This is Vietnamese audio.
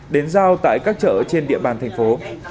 đến giao tại các chợ trên địa bàn thành phố